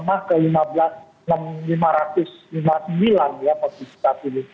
tapi kembali lagi mulai melemah ke rp lima belas lima ratus lima puluh sembilan ya posisinya